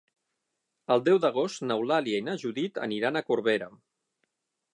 El deu d'agost n'Eulàlia i na Judit aniran a Corbera.